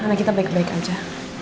dan sekarang sudah tidak menekan lagi mas